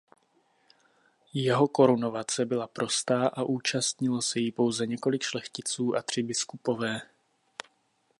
Jeho korunovace byla prostá a účastnilo se jí pouze několik šlechticů a tři biskupové.